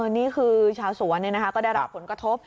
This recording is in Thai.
นี่คือชาวสวนก็ได้รับผลกระทบ